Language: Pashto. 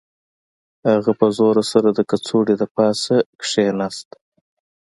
هغه په زور سره د کڅوړې د پاسه کښیناست